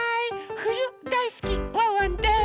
ふゆだいすきワンワンです！